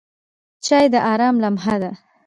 چای د آرام لمحه ده.